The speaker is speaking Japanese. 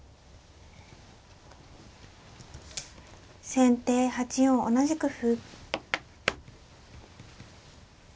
先手８四同じく歩。